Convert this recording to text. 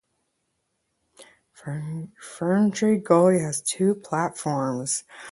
Ferntree Gully has two platforms.